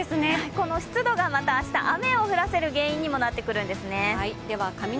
この湿度がまた明日、雨を降らせる原因にもなってくるんですね。